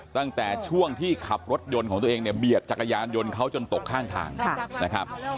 ตั้งแต่ช่วงที่ขับรถยนต์ของตัวเองเนี่ยเบียดจักรยานยนต์เขาจนตกข้างทางนะครับ